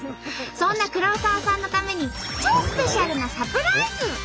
そんな黒沢さんのために超スペシャルな何かもう。